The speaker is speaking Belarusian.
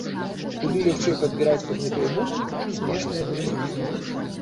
Куды лягчэй падбіраць пад гэтыя гукі смешныя дрындушкі.